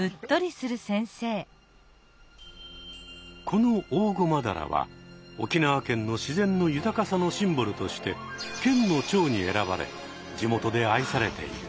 このオオゴマダラは沖縄県の自然の豊かさのシンボルとして「県の蝶」に選ばれ地元で愛されている。